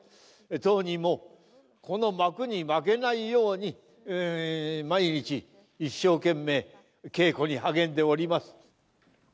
当人も、この幕に負けないように、毎日一生懸命稽古に励んでおります。